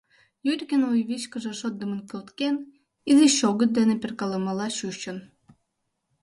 Юрикын вуйвичкыжше шотдымын кӱлткен, изи чӧгыт дене перкалымыла чучын.